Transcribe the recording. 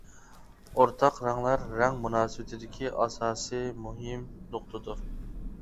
ئورتاق رەڭلەر رەڭ مۇناسىۋىتىدىكى ئاساسى مۇھىم نۇقتىدۇر.